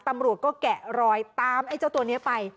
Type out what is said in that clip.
ตำรวจก็แกะรอยตามไอ้เจ้าตัวนี้ไป